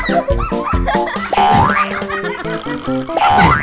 เอาขี่ล้างไปเลย